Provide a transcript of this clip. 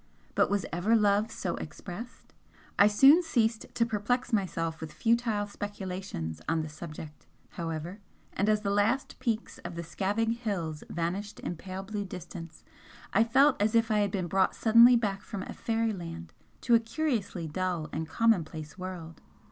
But was ever love so expressed? and had it ever before such a far off beginning? I soon ceased to perplex myself with futile speculations on the subject, however, and as the last peaks of the Scavaig hills vanished in pale blue distance I felt as if I had been brought suddenly back from a fairyland to a curiously dull and commonplace world.